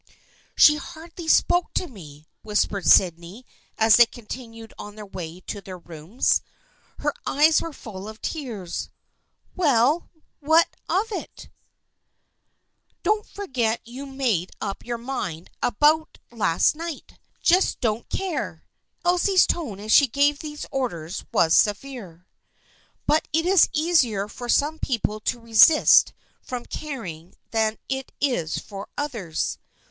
" She hardly spoke to me," whispered Sydney as they continued on their way to their rooms. Her eyes were full of tears. " Well, what of it ? Don't forget what you made up your mind about last night. Just don't care." Elsie's tone as she gave these orders was severe. But it is easier for some people to resist from " caring " than it is for others.